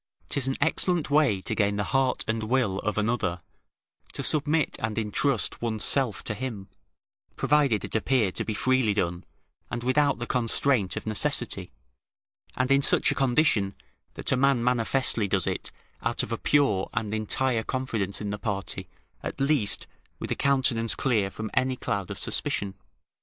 'Tis an excellent way to gain the heart and will of another, to submit and intrust one's self to him, provided it appear to be freely done, and without the constraint of necessity, and in such a condition, that a man manifestly does it out of a pure and entire confidence in the party, at least, with a countenance clear from any cloud of suspicion.